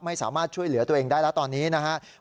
ไม่สามารถช่วยเหลือตัวเองได้แล้วตอนนี้นะครับ